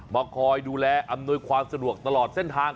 คอยดูแลอำนวยความสะดวกตลอดเส้นทาง